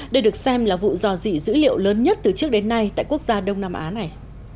đây được xem là vụ dò dị dữ liệu lớn nhất từ trước đến nay tại quốc gia đông nam á này